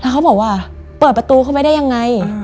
เขาบอกว่าเปิดประตูเข้าไปได้ยังไง